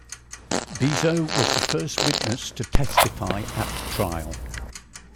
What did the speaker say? Bizot was the first witness to testify at the trial.